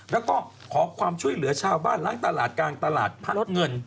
แล้วก็ขอความช่วยเหลือชาวบ้านล้างตลาดกลางตลาดพัดรถเงิน